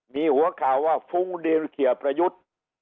มีหัวข่าวว่าฟุ้งดินเขียประยุทธ์